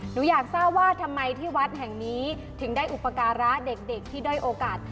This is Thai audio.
หนูอยากทราบว่าทำไมที่วัดแห่งนี้ถึงได้อุปการะเด็กที่ด้อยโอกาส